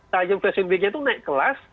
tayung fashion week nya itu naik kelas